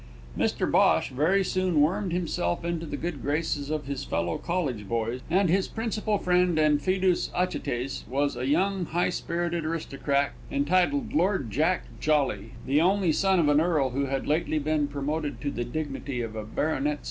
Mr Bhosh very soon wormed himself into the good graces of his fellow college boys, and his principal friend and fidus Achates was a young high spirited aristocrat entitled Lord Jack Jolly, the only son of an earl who had lately been promoted to the dignity of a baronetcy.